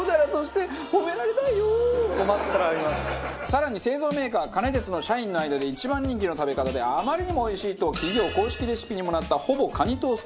更に製造メーカーカネテツの社員の間で一番人気の食べ方であまりにもおいしいと企業公式レシピにもなったほぼカニトーストを作ります。